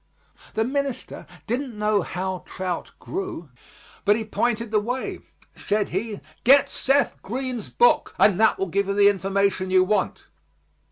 The minister didn't know how trout grew, but he pointed the way. Said he, "Get Seth Green's book, and that will give you the information you want."